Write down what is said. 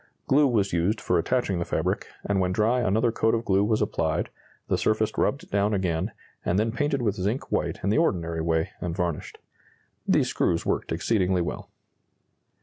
Glue was used for attaching the fabric, and when dry another coat of glue was applied, the surface rubbed down again, and then painted with zinc white in the ordinary way and varnished. These screws worked exceedingly well."